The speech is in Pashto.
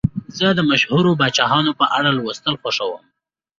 زه د مشهورو پاچاهانو په اړه لوستل خوښوم.